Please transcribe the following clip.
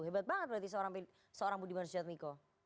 hebat banget berarti seorang budiman sujadmiko